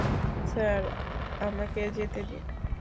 Sir, আমাকে যেতে দিন।